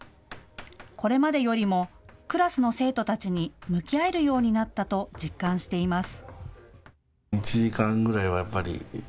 これまでよりもクラスの生徒たちに向き合えるようになったと実感しています。